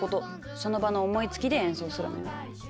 その場の思いつきで演奏するのよ。